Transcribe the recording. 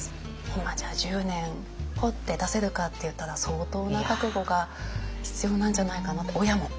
今じゃあ１０年ポッて出せるかっていったら相当な覚悟が必要なんじゃないかなって親も。